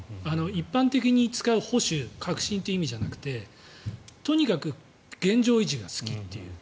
一般的に使う保守、革新という意味じゃなくてとにかく現状維持が好きという。